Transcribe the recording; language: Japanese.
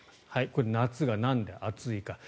これ、夏がなんで暑いか。